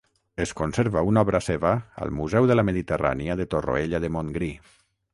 Es conserva una obra seva al Museu de la Mediterrània de Torroella de Montgrí.